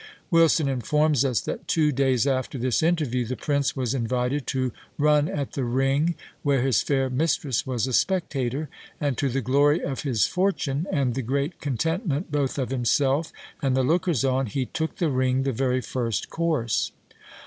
Wilson informs us that "two days after this interview the prince was invited to run at the ring, where his fair mistress was a spectator, and to the glory of his fortune, and the great contentment both of himself and the lookers on, he took the ring the very first course."